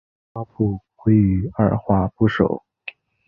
八部归于二划部首。